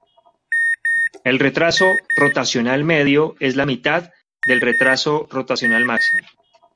El retraso rotacional medio es la mitad del retraso rotacional máximo.